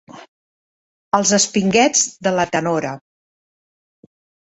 Els espinguets de la tenora.